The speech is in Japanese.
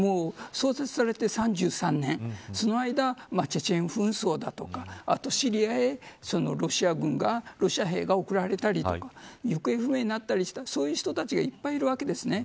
創設されて３３年その間、チェチェン紛争だとかシリアへ、ロシア軍がロシア兵が送られたりとか行方不明になったりしたそういう人たちがいっぱいいるわけです。